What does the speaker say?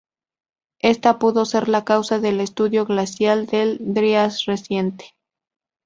Esta pudo ser la causa del estadio glacial del Dryas Reciente.